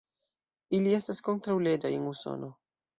Ili estas kontraŭleĝaj en Usono.